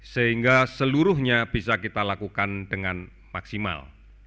sehingga seluruhnya bisa kita lakukan dengan maksimal